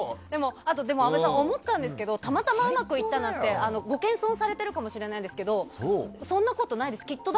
でも阿部さん、思ったんですけどたまたまうまくいったってご謙遜されてるかもしれないですけどそんなことないです。